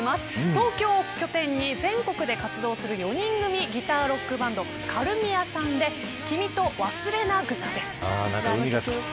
東京を拠点に全国で活動する４人組ギター・ロック・バンドｋａｌｍｉａさんで君と勿忘草です。